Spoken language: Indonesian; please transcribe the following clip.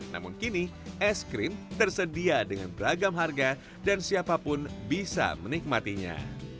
namun kini es krim tersedia dengan beragam harga dan siapapun bisa menikmatinya